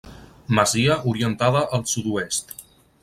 Masia orientada al sud-oest.